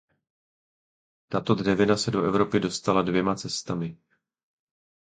Tato dřevina se do Evropy dostala dvěma cestami.